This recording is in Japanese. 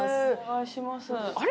あれ？